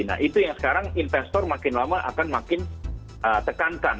nah itu yang sekarang investor makin lama akan makin tekankan